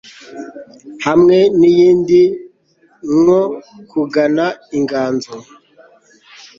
hamwe n'iyindi nko kugana inganzo